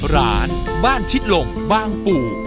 ร้านบ้านชิดลมบางปู่